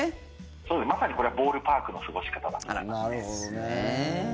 そうです、まさにこれはボールパークの過ごし方だと思いますね。